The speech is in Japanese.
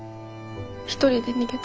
一人で逃げた。